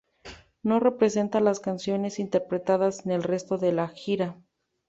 No representa las canciones interpretadas en el resto de la gira.